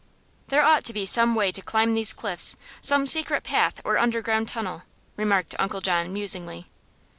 "There ought to be some way to climb these cliffs; some secret path or underground tunnel," remarked Uncle John, musingly.